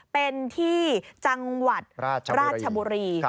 เป็นที่จังหวัดราชบุรี